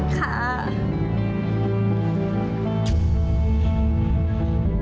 ค่ะ